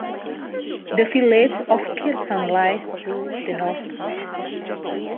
The village of Kirton lies to the north-west.